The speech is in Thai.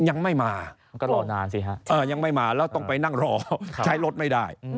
ยังไม่มาก็รอนานสิฮะยังไม่มาแล้วต้องไปนั่งรอใช้รถไม่ได้